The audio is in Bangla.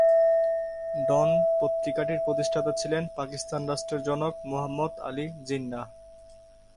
ডন পত্রিকাটির প্রতিষ্ঠাতা ছিলেন পাকিস্তান রাষ্ট্রের জনক মুহাম্মদ আলী জিন্নাহ।